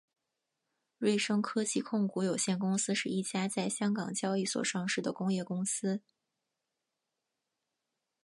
瑞声科技控股有限公司是一家在香港交易所上市的工业公司。